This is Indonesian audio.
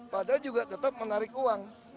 padahal juga tetap menarik uang